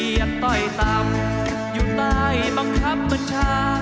อย่าต้อยต่ำอยู่ใต้บังคับประชา